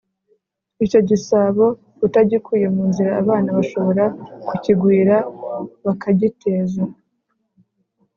icyo gisabo utagikuye mu nzira abana bashobora kukigwira bakagiteza